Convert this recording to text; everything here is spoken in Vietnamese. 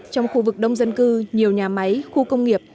trong khu vực đông dân cư nhiều nhà máy khu công nghiệp